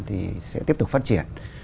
thì sẽ tiếp tục phát triển